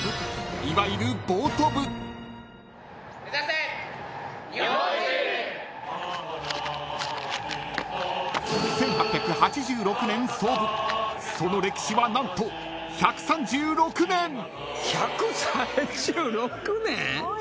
「ただ一つ」［１８８６年創部その歴史は何と１３６年］１３６年？